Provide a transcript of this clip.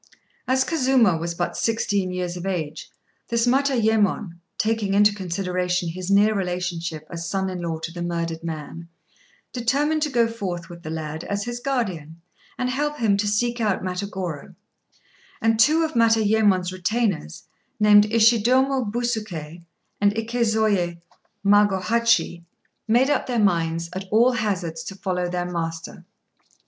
As Kazuma was but sixteen years of age, this Matayémon, taking into consideration his near relationship as son in law to the murdered man, determined to go forth with the lad, as his guardian, and help him to seek out Matagorô; and two of Matayémon's retainers, named Ishidomé Busuké and Ikezoyé Magohachi, made up their minds, at all hazards, to follow their master.